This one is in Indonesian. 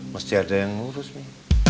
masih ada yang ngurus mi